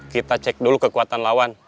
kita cek dulu kekuatan lawan